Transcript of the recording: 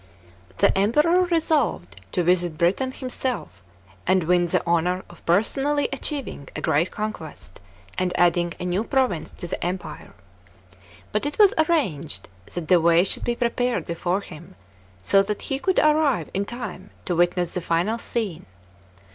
§ 2. The Emperor resolved to visit Britain himself, and win the honour of personally achieving a great conquest and adding a new province to the empire. But it was arranged that the way should be prepared before him, so that he could arrive in time to witness the final scene.